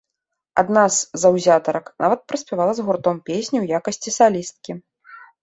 Адна з заўзятарак нават праспявала з гуртом песню ў якасці салісткі.